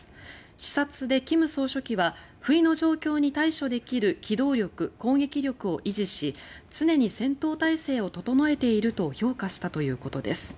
視察で金総書記は不意の状況に対処できる機動力・攻撃力を維持し常に戦闘態勢を整えていると評価したということです。